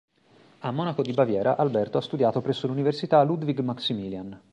A Monaco di Baviera, Alberto ha studiato presso l'Università Ludwig Maximilian.